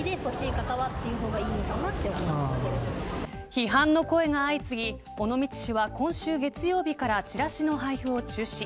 批判の声が相次ぎ尾道市は今週月曜日からチラシの配布を中止。